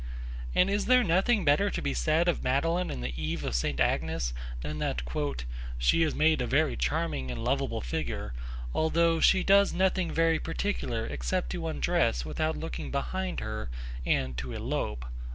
and is there nothing better to be said of Madeline in The Eve of St. Agnes than that 'she is made a very charming and loveable figure, although she does nothing very particular except to undress without looking behind her, and to elope'?